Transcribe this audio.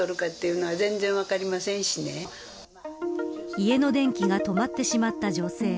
家の電気が止まってしまった女性。